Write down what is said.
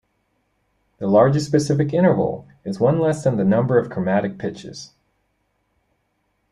The largest specific interval is one less than the number of "chromatic" pitches.